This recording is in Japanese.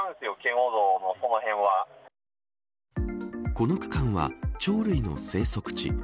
この区間は、鳥類の生息地。